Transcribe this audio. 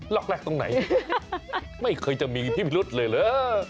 ล็อกแรกตรงไหนไม่เคยจะมีพิรุษเลยเหรอ